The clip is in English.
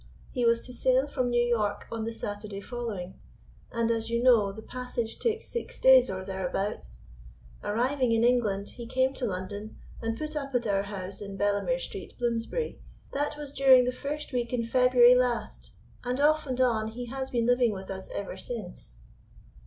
He was to sail from New York on the Saturday following, and, as you know, the passage takes six days or thereabouts. Arriving in England he came to London and put up at our house in Bellamer Street, Bloomsbury. That was during the first week in February last, and off and on he has been living with us ever since."